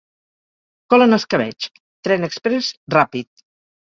Col en escabetx. Tren exprés ràpid.